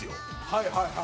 はいはいはい。